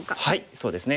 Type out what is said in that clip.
そうですね。